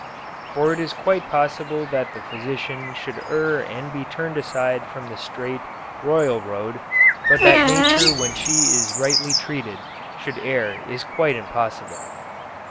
"For it is quite possible that the physician should err and be turned aside from the straight (royal) road, but that nature when she is rightly treated should err is quite impossible."